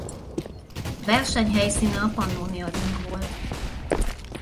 Verseny helyszíne a Pannónia-Ring volt.